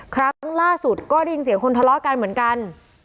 ครั้งล่าสุดก็ได้ยินเสียงคนทะเลาะกันเหมือนกัน